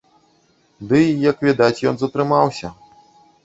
Ды, як відаць, ён затрымаўся.